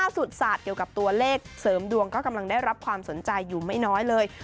สุดศาสตร์เกี่ยวกับตัวเลขเสริมดวงก็กำลังได้รับความสนใจอยู่ไม่น้อยเลย